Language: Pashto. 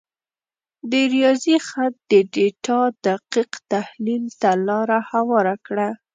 د ریاضي خط د ډیټا دقیق تحلیل ته لار هواره کړه.